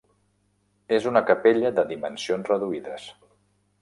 És una capella de dimensions reduïdes.